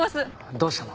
どうしたの？